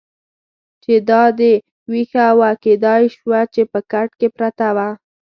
چې دا دې وېښه وه، کېدای شوه چې په کټ کې پرته وه.